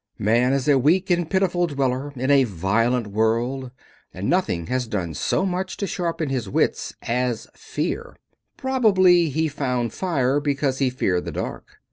Man is a weak and pitiful dweller in a violent world and nothing has done so much to sharpen his wits as fear. Probably he found fire because he feared the dark.